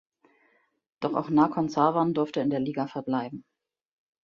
Doch auch Nakhon Sawan durfte in der Liga verbleiben.